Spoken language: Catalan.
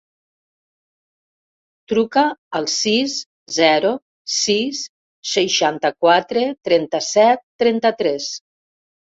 Truca al sis, zero, sis, seixanta-quatre, trenta-set, trenta-tres.